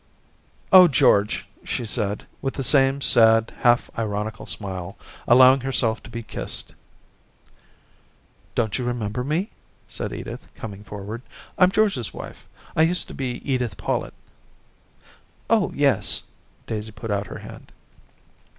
* Oh, George !' she said, with the same sad, half ironical smile, allowing herself to be kissed. * Don't you remember me ?' said Edith, coming forward. ' I'm George's wife ; I used to be Edith PoUett.' 'Oh, yes!' Daisy put out her hand.